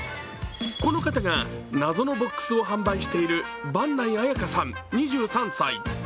この方が謎のボックスを販売している坂内綾花さん２３歳。